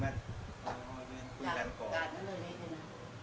เกิดใส่เสื้อท่อนแสงที่มีเสื้อดำดำ